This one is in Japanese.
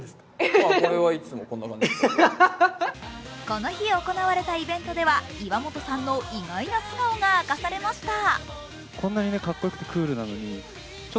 この日、行われたイベントでは、岩本さんの意外な素顔が明かされました。